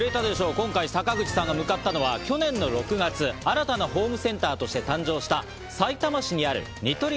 今回、坂口さんが向かったのは去年の６月、新たなホームセンターとして誕生した、さいたま市にあるニトリ